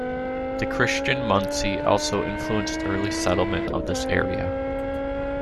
The Christian Munsee also influenced early settlement of this area.